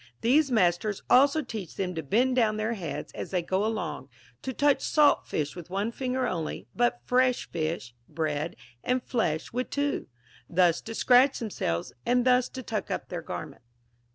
These masters also teach them to bend down their heads as they go along, to touch salt fish with one finger only, but fresh fish, bread, and flesh with two ; thus to scratch themselves, and thus to tuck up their garments.